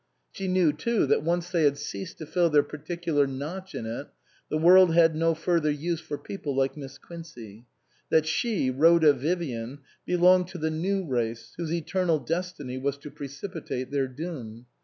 She knew too that once they had ceased to fill their particular notch in it, the world had no further use for people like Miss Quincey ; that she, Rhoda Vivian, belonged to the new race whose eternal destiny was to precipitate their doom.